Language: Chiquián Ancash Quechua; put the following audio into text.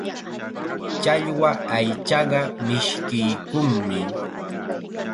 Challwa aychaqa mishkiykunmi.